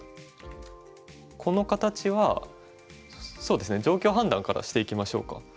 この形はそうですね状況判断からしていきましょうか。